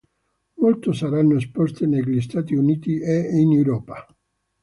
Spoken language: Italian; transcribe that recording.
Molte saranno esposte negli Stati Uniti e in Europa.